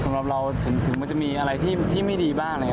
สำหรับเราถึงมันจะมีอะไรที่ไม่ดีบ้างอะไรอย่างนี้